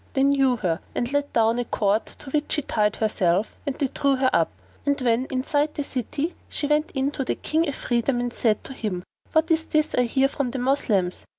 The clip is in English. They knew her and let down a cord to which she tied herself and they drew her up; and, when inside the city, she went in to the King Afridun and said to him, "What is this I hear from the Moslems?